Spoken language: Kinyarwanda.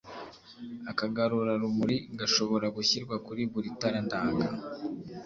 Akagarurarumuri gashobora gushyirwa kuri buri tara ndanga.